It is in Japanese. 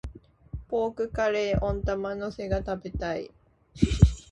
ポークカレー、温玉乗せが食べたい。